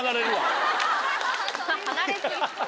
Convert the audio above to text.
離れ過ぎ。